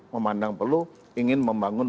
memandang perlu ingin membangun